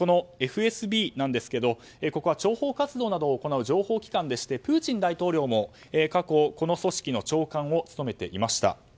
このＦＳＢなんですけどここは諜報活動などを行う情報機関でしてプーチン大統領も過去、この組織の長官を務めていました。